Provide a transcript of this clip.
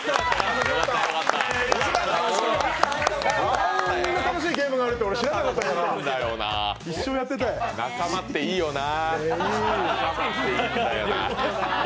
あんな楽しいゲームがあるって俺、知らなかったから仲間っていいよな。